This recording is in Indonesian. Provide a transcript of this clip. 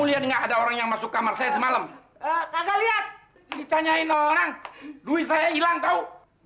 lihat ada orang yang masuk kamar saya semalam kagak lihat ditanyain orang duit saya hilang tahu